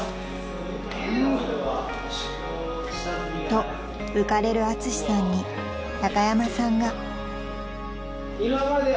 ［と浮かれるアツシさんに高山さんが］